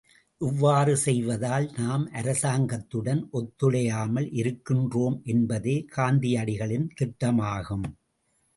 இவ்வாறு செய்வதால் நாம், அரசாங்கத்துடன் ஒத்துழையாமல் இருக்கின்றோம் என்பதே காந்தியடிகளின் திட்டமாகும்.